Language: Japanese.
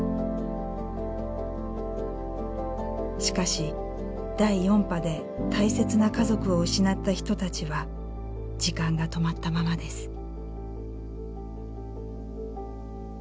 しかし第４波で大切な家族を失った人たちは時間が止まったままです。